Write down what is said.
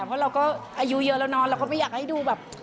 เพราะเราก็อายุเยอะแล้วเนาะเราก็ไม่อยากให้ดูแบบ